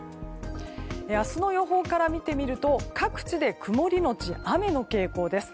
明日の予報から見てみると各地で曇りのち雨の傾向です。